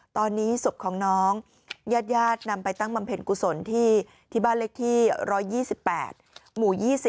ตอนนี้ศพของน้องญาตินำไปตั้งบำเพ็ญกุศลที่บ้านเล็กที่๑๒๘หมู่๒๐